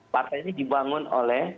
partai ini dibangun oleh